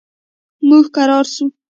موږ کرار شو.